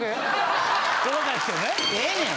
ええねん。